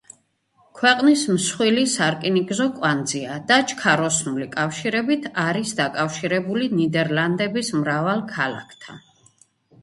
ქვეყნის მსხვილი სარკინიგზო კვანძია და ჩქაროსნული კავშირებით არის დაკავშირებული ნიდერლანდების მრავალ ქალაქთან.